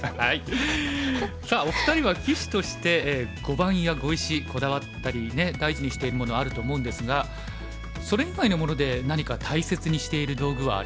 さあお二人は棋士として碁盤や碁石こだわったりね大事にしているものあると思うんですがそれ以外のもので何か大切にしている道具はありますか？